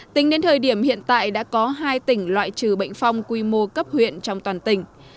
tính đến thời điểm hiện tại đã có hai tỉnh loại trừ bệnh phong quy mô cấp huyện trong toàn tỉnh